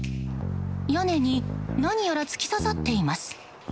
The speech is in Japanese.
屋根に何やら突き刺さっています。